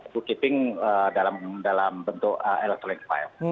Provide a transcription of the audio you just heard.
bookkeeping dalam bentuk electronic file